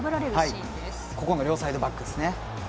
ここも両サイドバックです。